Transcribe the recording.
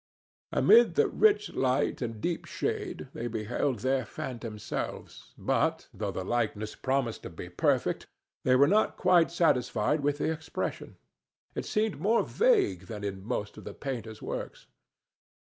Amid the rich light and deep shade they beheld their phantom selves, but, though the likeness promised to be perfect, they were not quite satisfied with the expression: it seemed more vague than in most of the painter's works.